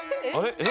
えっ？